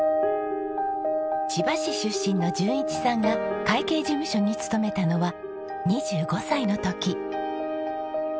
千葉市出身の淳一さんが会計事務所に勤めたのは２５歳の時。